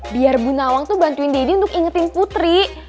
biar bu nawang tuh bantuin deddy untuk ingetin putri